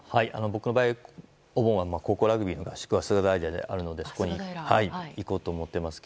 僕の場合は高校ラグビーの合宿が菅平であるのでそこに行こうと思っています。